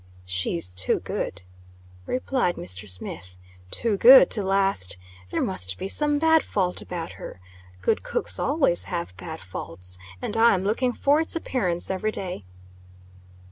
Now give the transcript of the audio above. "She's too good," replied Mr. Smith "too good to last. There must be some bad fault about her good cooks always have bad faults and I am looking for its appearance every day."